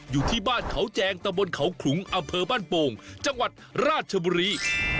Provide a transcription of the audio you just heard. อยู่ที่บ้านเขาแจงตะบนเขาขลุงอำเภอบ้านโป่งจังหวัดราชบุรี